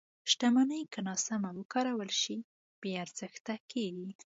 • شتمني که ناسمه وکارول شي، بې ارزښته کېږي.